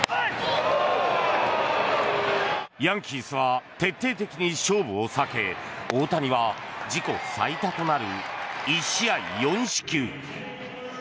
ヤンキースは徹底的に勝負を避け大谷は自己最多となる１試合４四球。